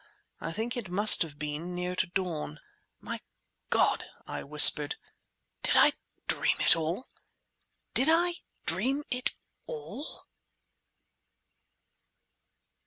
I think it must have been near to dawn. "My God!" I whispered, "did I dream it all? Did I dream it all?"